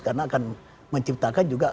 karena akan menciptakan juga